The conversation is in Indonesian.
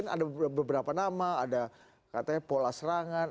ada beberapa nama ada katanya pola serangan